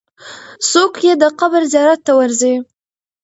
څوک یې د قبر زیارت ته ورځي؟